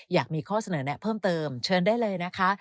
อยากมีข้อเสนอแนะเพิ่มเติมเชิญได้เลยนะคะ